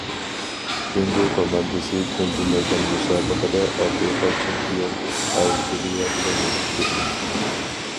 جۇڭگو كوماندىسى تۇنجى مەيدان مۇسابىقىدە ئافرىقا چېمپىيونى ئالجىرىيە بىلەن تۇتۇشتى.